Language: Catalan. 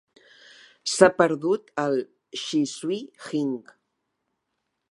S'ha perdut el "Xisui Jing".